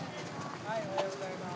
おはようございます！